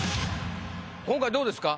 今回どうですか？